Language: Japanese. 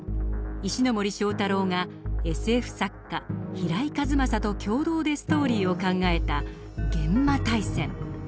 石森章太郎がＳＦ作家平井和正と共同でストーリーを考えた「幻魔大戦」。